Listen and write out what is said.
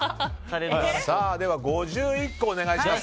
５１個、お願いします。